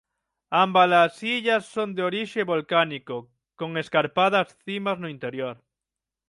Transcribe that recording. Ambas as illas son de orixe volcánico con escarpadas cimas no interior.